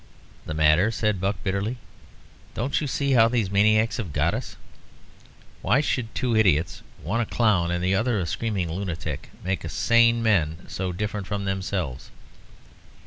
"The matter?" said Buck, bitterly; "don't you see how these maniacs have got us? Why should two idiots, one a clown and the other a screaming lunatic, make sane men so different from themselves?